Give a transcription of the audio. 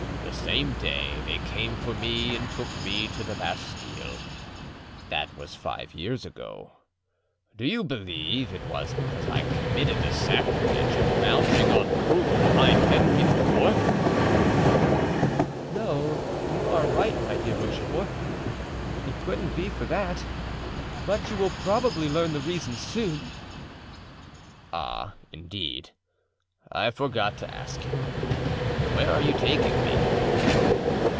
The same day they came for me and took me to the Bastile. That was five years ago. Do you believe it was because I committed the sacrilege of mounting en croupe behind Henry IV.?" "No; you are right, my dear Rochefort, it couldn't be for that; but you will probably learn the reason soon." "Ah, indeed! I forgot to ask you—where are you taking me?"